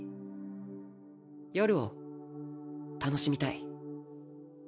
夜を楽しみたい。